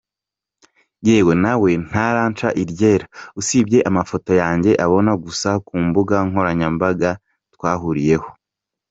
Yewe nawe ntaransha iryera usibye amafoto yanjye abona gusa ku mbuga nkoranyambaga twahuriyeho.